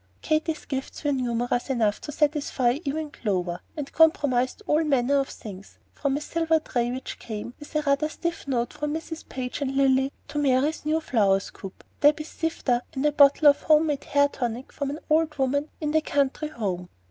Katy's gifts were numerous enough to satisfy even Clover, and comprised all manner of things, from a silver tray which came, with a rather stiff note, from Mrs. Page and Lilly, to Mary's new flour scoop, Debby's sifter, and a bottle of home made hair tonic from an old woman in the "County Home."